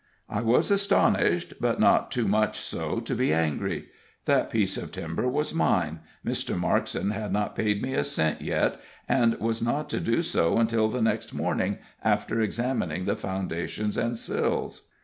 I was astonished, but not too much so to be angry. That piece of timber was mine; Mr. Markson had not paid me a cent yet, and was not to do so until the next morning, after examining the foundations and sills.